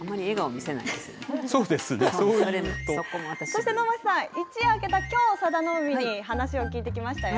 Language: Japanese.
そして能町さん、一夜明けたきょう、佐田の海に話を聞いてき